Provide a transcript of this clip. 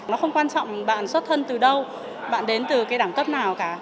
nó không quan trọng bạn xuất thân từ đâu bạn đến từ cái đẳng cấp nào cả